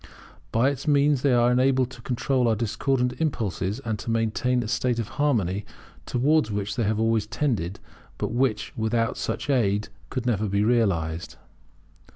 By its means they are enabled to control our discordant impulses, and to maintain a state of harmony towards which they have always tended, but which, without such aid, could never be realized.